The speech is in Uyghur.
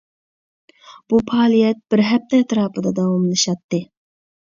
بۇ پائالىيەت بىر ھەپتە ئەتراپىدا داۋاملىشاتتى.